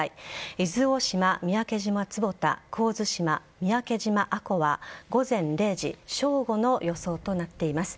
伊豆大島、三宅島坪田神津島、三宅島阿古は午前０時正午の予想となっています。